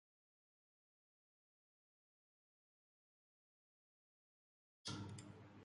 The renovation has won the National Preservation Award from the American Institute of Architects.